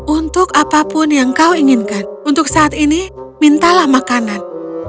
untuk apapun yang kau inginkan untuk saat ini mintalah makanan